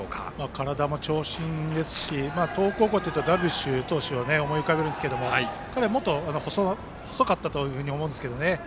体も長身ですし東北高校というとダルビッシュ投手を思い浮かべるんですけど彼はもっと細かったと思うんですけどね。